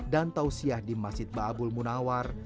dan tausiah di masjid ba'abul munawar